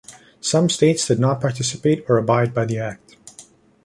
Some states did not participate or abide by the Act.